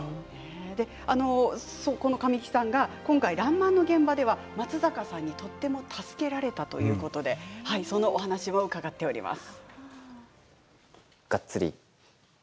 この神木さんが今回「らんまん」の現場では松坂さんにとても助けられたということでお話を伺っています。